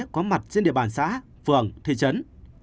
có mặt trên địa bàn xã phường thị trấn